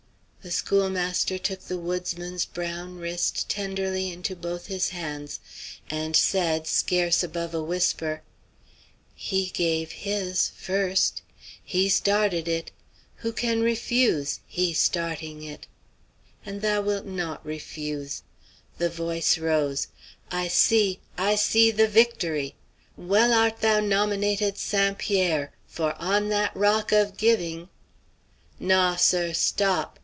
The schoolmaster took the woodsman's brown wrist tenderly into both his hands, and said, scarce above a whisper, "He gave His, first. He started it. Who can refuse, He starting it? And thou wilt not refuse." The voice rose "I see, I see the victory! Well art thou nominated 'St. Pierre!' for on that rock of giving" "Naw, sir! Stop!"